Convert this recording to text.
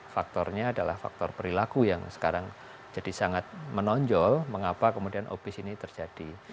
faktornya adalah faktor perilaku yang sekarang jadi sangat menonjol mengapa kemudian obes ini terjadi